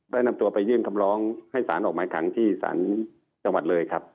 นำตัวไปยื่นคำร้องให้สารออกหมายขังที่ศาลจังหวัดเลยครับ